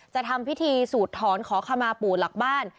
จะทำพิธีสูตรถอนขอคำมาปู่หลักบ้าน